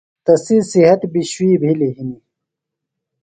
تسی صِحت بیۡ شُوئی بِھلیۡ ہِنیۡ۔